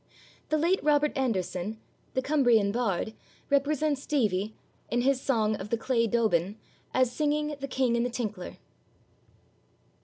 The late Robert Anderson, the Cumbrian bard, represents Deavie, in his song of the Clay Daubin, as singing The King and the Tinkler.